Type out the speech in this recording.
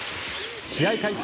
試合開始